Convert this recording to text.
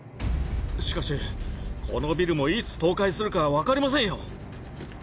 しかしこのビルもいつ倒壊するか分かりませんよ。